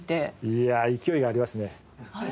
いやあ勢いがありますね。